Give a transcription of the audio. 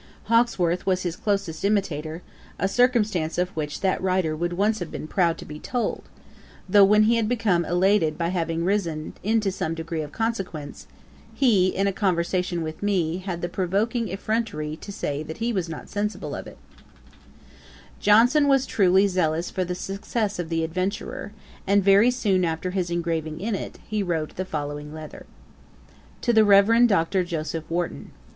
Hawkesworth was his closest imitator, a circumstance of which that writer would once have been proud to be told; though, when he had become elated by having risen into some degree of consequence, he, in a conversation with me, had the provoking effrontery to say he was not sensible of it. [Page 253: A letter to Dr. Warton. Ætat 44.] Johnson was truly zealous for the success of The Adventurer; and very soon after his engaging in it, he wrote the following letter: 'TO THE REVEREND DR. JOSEPH WARTON.